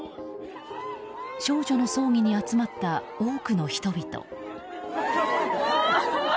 少女の葬儀に集まった多くの人々。